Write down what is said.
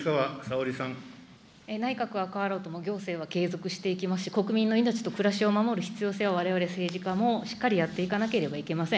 内閣が変わろうとも行政は継続していきますし、国民の命と暮らしを守る必要性は、われわれ政治家もしっかりやっていかなければいけません。